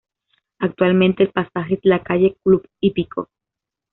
Actualmente el pasaje es la calle Club Hípico.